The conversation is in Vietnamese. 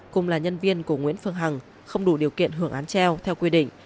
cùng là nhân viên của nguyễn phương hằng không đủ điều kiện hưởng án treo theo quy định